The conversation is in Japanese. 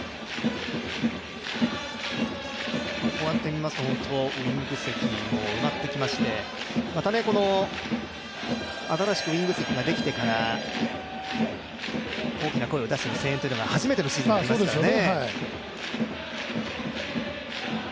こうやってみますとウイング席も埋まってきまして新しくウイング席ができてから、大きな声を出しての声援が初めてのシーズンになりますからね。